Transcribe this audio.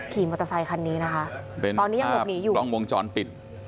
มอเตอร์ไซคันนี้นะคะตอนนี้ยังหลบหนีอยู่กล้องวงจรปิด